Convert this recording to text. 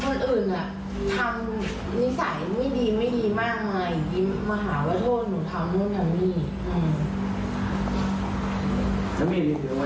ว่าเราทำไม่ได้ยังไง